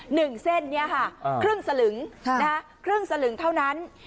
หนึ่งเส้นนี้ค่ะครึ่งสลึงครึ่งสลึงเท่านั้น